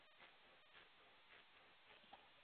أجل وإن طال الزمان موافي